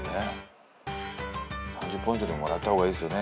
３０ポイントでももらえた方がいいですよね。